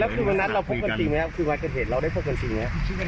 อ๋อมีชัดลับรักออกมาแล้วพี่อร้านครัวนั้นเราได้พบกันจริงไหมครับ